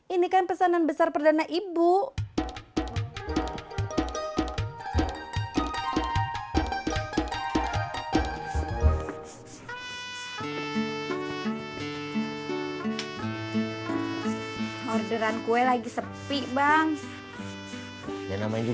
ini kan pesanan besar perdana ibu